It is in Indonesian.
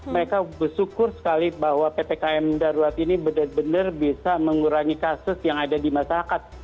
mereka bersyukur sekali bahwa ppkm darurat ini benar benar bisa mengurangi kasus yang ada di masyarakat